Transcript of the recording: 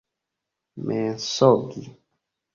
mensogi